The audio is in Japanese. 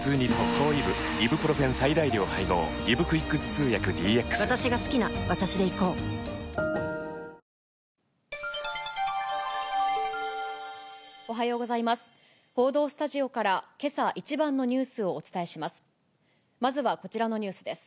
報道スタジオから、けさ一番のニュースをお伝えします。